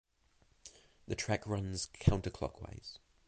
The track runs counterclockwise.